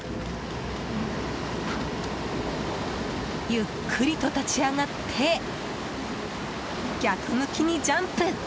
ゆっくりと立ち上がって逆向きにジャンプ！